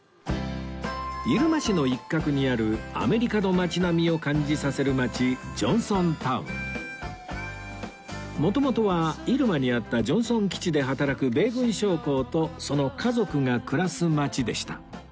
入間市の一角にあるアメリカの街並みを感じさせる街元々は入間にあったジョンソン基地で働く米軍将校とその家族が暮らす街でした